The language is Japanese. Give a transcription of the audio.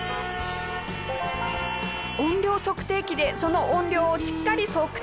音量測定器でその音量をしっかり測定！